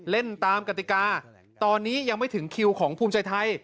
เล่นตามกติกาตอนนี้ยังไม่ถึงคิวของภูมิใจไทย